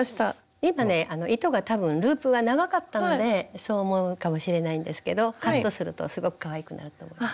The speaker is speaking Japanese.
今ね糸が多分ループが長かったんでそう思うかもしれないんですけどカットするとすごくかわいくなると思います。